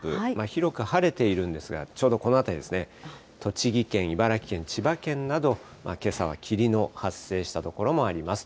広く晴れているんですが、ちょうどこの辺りですね、栃木県、茨城県、千葉県など、けさは霧の発生した所もあります。